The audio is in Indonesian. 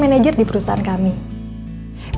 malah menanggap oleh masyarakat lightning